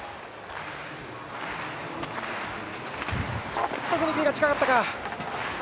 ちょっと踏切が近かったか。